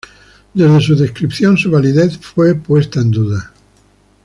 Desde su descripción su validez fue puesta en duda.